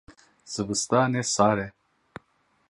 Zivistan e sar e.